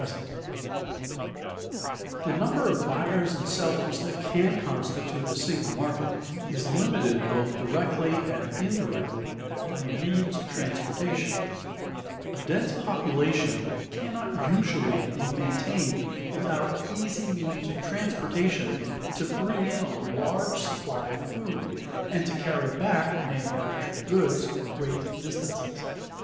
[Sidenote: The growth of markets] The number of buyers and sellers that can constitute a single market is limited both directly and indirectly by the means of transportation. A dense population cannot usually be maintained without easy means of transportation to bring in a large supply of food, and to carry back manufactured goods great distances.